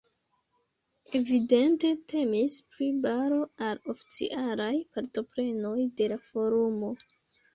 Evidente temis pri baro al oficialaj partoprenoj de la forumo.